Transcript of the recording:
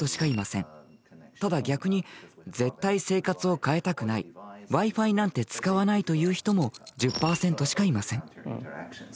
ただ逆に絶対生活を変えたくないＷｉ−Ｆｉなんて使わないという人も１０％しかいません。